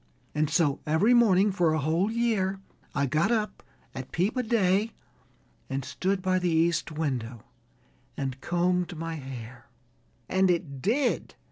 And so every morning for a whole year I got up at peep o' day and stood by the east window and combed my hair." "And it did?"